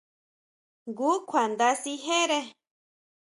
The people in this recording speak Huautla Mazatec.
Jngu kjuanda sijere.